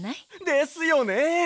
ですよね。